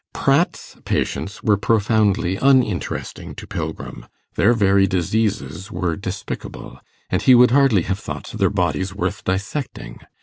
Pratt's patients were profoundly uninteresting to Pilgrim: their very diseases were despicable, and he would hardly have thought their bodies worth dissecting.